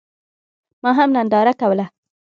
ما هم ننداره کوله.